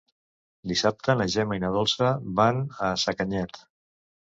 Dissabte na Gemma i na Dolça van a Sacanyet.